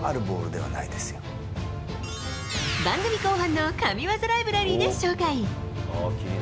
番組後半の神技ライブラリーで紹介。